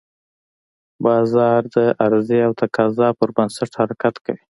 بازار د عرضې او تقاضا پر بنسټ حرکت کوي.